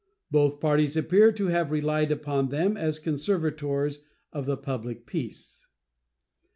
Both parties appear to have relied upon them as conservators of the public peace.